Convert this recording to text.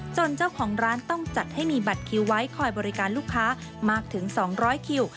เจ้าของร้านต้องจัดให้มีบัตรคิวไว้คอยบริการลูกค้ามากถึง๒๐๐คิว